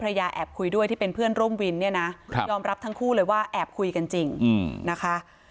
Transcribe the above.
แอบคุยด้วยที่เป็นเพื่อนร่วมวินเนี่ยนะยอมรับทั้งคู่เลยว่าแอบคุยกันจริงนะคะ